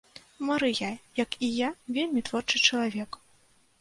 Марыя, як і я, вельмі творчы чалавек.